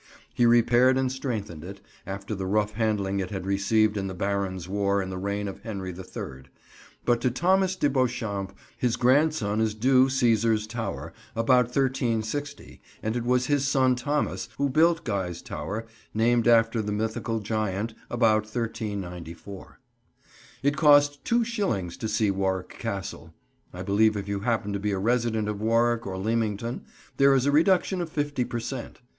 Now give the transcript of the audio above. He repaired and strengthened it, after the rough handling it had received in the Barons' War, in the reign of Henry the Third; but to Thomas de Beauchamp, his grandson, is due Cæsar's Tower, about 1360, and it was his son Thomas, who built Guy's Tower, named after the mythical giant, about 1394. It costs two shillings to see Warwick Castle. I believe if you happen to be a resident of Warwick or Leamington, there is a reduction of fifty per cent.